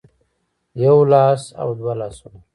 يو لاس او دوه لاسونه